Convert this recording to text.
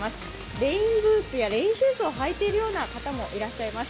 レインブーツやレインブーツを履いているような方もいらっしゃいます。